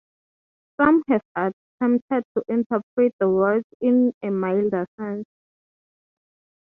Some have attempted to interpret the words in a milder sense.